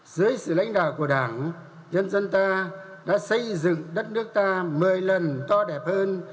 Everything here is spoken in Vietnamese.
dưới sự lãnh đạo của đảng nhân dân ta đã xây dựng đất nước ta một mươi lần to đẹp hơn